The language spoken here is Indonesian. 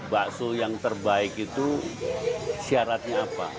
bakso yang terbaik itu syaratnya apa